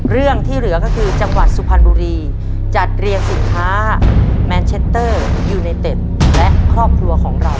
เรื่องที่เหลือก็คือจังหวัดสุพรรณบุรีจัดเรียงสินค้าแมนเชตเตอร์ยูไนเต็ดและครอบครัวของเรา